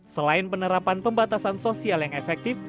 selain penerapan pembatasan sosial yang efektif